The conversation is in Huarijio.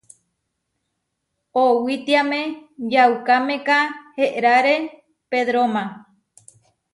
Owítiame yaukámeka eráre Pedróma.